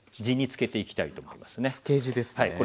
地につけていきたいと思いますね。